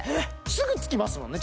すぐつきますもんね